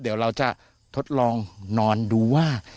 เดี๋ยวเราจะทดลองนอนดูว่า